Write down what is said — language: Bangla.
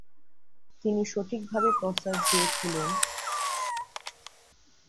তিনি সঠিকভাবে প্রস্তাব দিয়েছিলেন যে সিকেল-সেল ডিজিজ ম্যালেরিয়ায় কিছুটা অনাক্রম্যতা প্রদান করে।